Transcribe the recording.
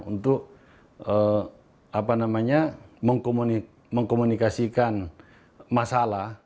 untuk mengkomunikasikan masalah